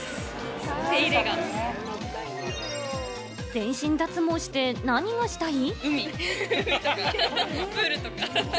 全身脱毛して何がしたい？